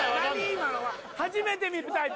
今のは初めて見るタイプ